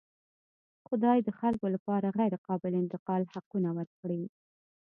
خدای د خلکو لپاره غیرقابل انتقال حقونه ورکړي.